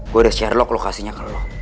gue udah sherlock lokasinya ke lo